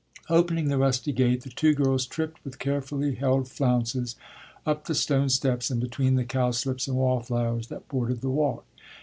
Opening the rusty gate, the two girls tripped with carefully held flounces up the stone steps and between the cowslips and wallflowers that bordered the walk.